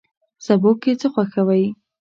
سبو کی څه خوښوئ؟